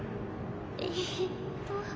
えっと。